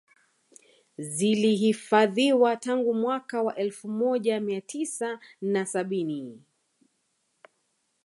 Zilihifadhiwa tangu mwaka wa elfu mojamia tisa na sabini